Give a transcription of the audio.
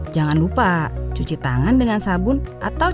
jangan lupa cuci tangan dengan sabun atau